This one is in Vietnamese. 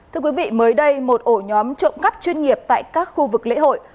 thưa quý vị mới đây một ổ nhóm trộm cắp chuyên nghiệp tại các khu vực lễ hội